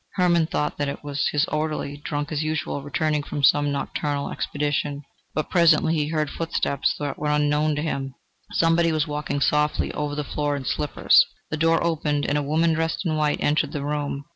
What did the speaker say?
Hermann thought that it was his orderly, drunk as usual, returning from some nocturnal expedition, but presently he heard footsteps that were unknown to him: somebody was walking softly over the floor in slippers. The door opened, and a woman dressed in white, entered the room.